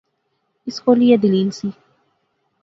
اس کول ایہہ دلیل سی